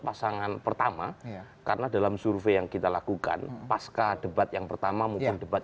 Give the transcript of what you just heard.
pasangan pertama karena dalam survei yang kita lakukan pasca debat yang pertama mungkin debat